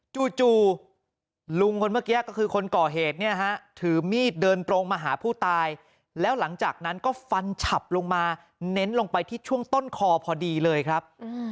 จู่ลุงคนเมื่อกี้ก็คือคนก่อเหตุเนี่ยฮะถือมีดเดินตรงมาหาผู้ตายแล้วหลังจากนั้นก็ฟันฉับลงมาเน้นลงไปที่ช่วงต้นคอพอดีเลยครับ